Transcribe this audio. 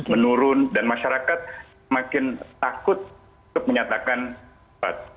menurun dan masyarakat makin takut untuk menyatakan pendapat